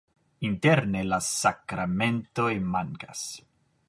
Interne la sakramentoj mankas.